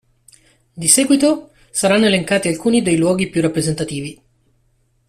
Di seguito, saranno elencati alcuni dei luoghi più rappresentativi.